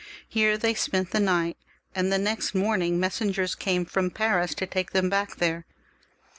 Here they spent the night, and the next morning came messengers from Paris to take them back there.